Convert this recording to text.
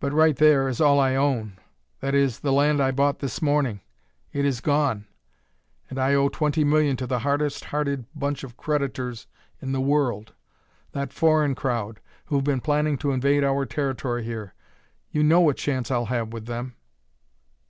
"But right there is all I own that is, the land I bought this morning. It is gone, and I owe twenty million to the hardest hearted bunch of creditors in the world. That foreign crowd, who've been planning to invade our territory here. You know what chance I'll have with them...."